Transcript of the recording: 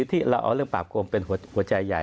ที่เราเอาเรื่องปราบโกงเป็นหัวใจใหญ่